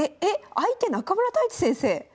相手中村太地先生！